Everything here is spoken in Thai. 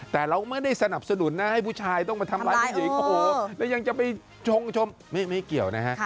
แต่เราก็ไม่ได้สนับสนุนนะให้ผู้ชายต้องมาทำร้ายผู้หญิงโอ้โหแล้วยังจะไปชงชมไม่เกี่ยวนะฮะ